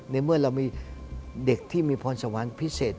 ในเมื่อเรามีเด็กที่มีพรสวรรค์พิเศษ